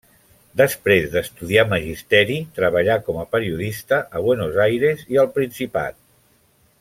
Després d'estudiar magisteri, treballà com a periodista a Buenos Aires i al Principat.